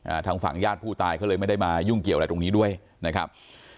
ทางฝั่งญาติผู้ตายเขาเลยไม่ได้มายุ่งเกี่ยวอะไรตรงนี้ด้วยนะครับ